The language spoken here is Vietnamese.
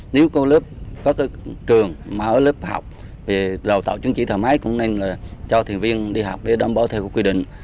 nếu có lớp có cái trường mà ở lớp học thì đào tạo chứng chỉ thợ máy cũng nên là cho thuyền viên đi học để đảm bảo theo quy định